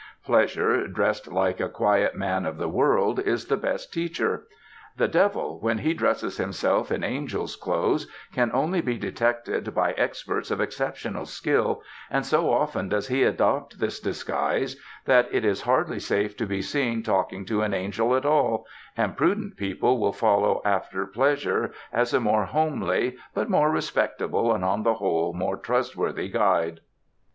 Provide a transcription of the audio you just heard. Pleasure, dressed like a quiet man of the world, is the best teacher: "The devil, when he dresses himself in angels' clothes, can only be detected by experts of exceptional skill, and so often does he adopt this disguise that it is hardly safe to be seen talking to an angel at all, and prudent people will follow after pleasure as a more homely but more respectable and on the whole more trustworthy guide."